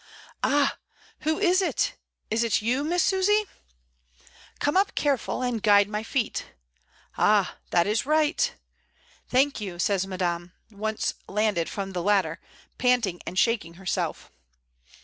Ah! who is it — is it you. Miss Susy? Come up, careful, and guide my feet. Ah! that is right. Thank you," says Madame, once landed from the ladder, panting and shaking her self.